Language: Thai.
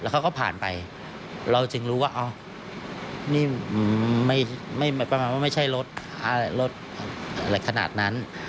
แล้วเขาก็ผ่านไปเราจึงรู้ว่านี่ไม่ใช่รถอะไรขนาดนั้น